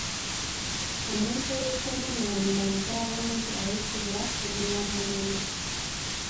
Omuntu eyeetemulira mu bantu abangi ayitibwa lumiramwoyo.